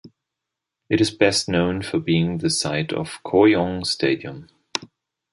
It is best known for being the site of Kooyong Stadium.